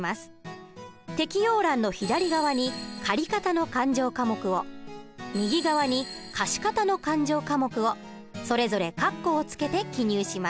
摘要欄の左側に借方の勘定科目を右側に貸方の勘定科目をそれぞれ括弧を付けて記入します。